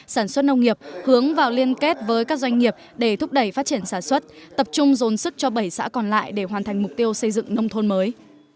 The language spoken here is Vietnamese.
sản xuất nông nghiệp hướng vào liên kết với các doanh nghiệp để thúc đẩy phát triển sản xuất tập trung dồn sức cho bảy xã còn lại để hoàn thành mục tiêu xây dựng nông thôn mới